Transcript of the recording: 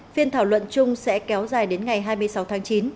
phiên thảo luận chung sẽ kéo dài đến ngày hai mươi sáu tháng chín